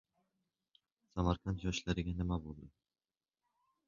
Samarqand yoshlariga nima bo‘ldi?